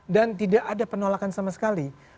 dan tidak ada penolakan sama sekali